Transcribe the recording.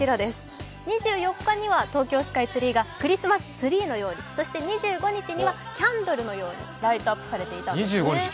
２４日には東京スカイツリーがクリスマスツリーのように、そして２５日にはキャンドルのようにライトアップされていたんです。